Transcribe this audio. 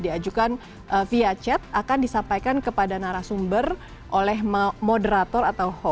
diajukan well clear chat akan disampaikan kepada narasumber a olha moderator atau padat unreal api